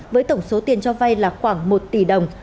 với tổng số tiền cho vay là khoảng một tỷ đồng